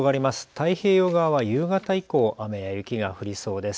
太平洋側は夕方以降、雨や雪が降りそうです。